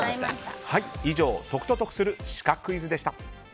以上解くと得するシカクイズでした。